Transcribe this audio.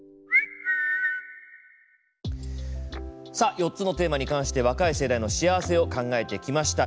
４つのテーマに関して若い世代の幸せを考えてきました。